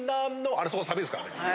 あれそこサビですからね。